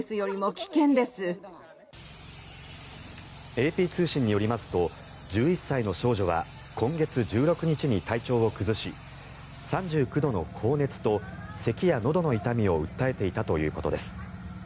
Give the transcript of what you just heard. ＡＰ通信によりますと１１歳の少女は今月１６日に体調を崩し３９度の高熱とせきやのどの痛みを訴えていたということです。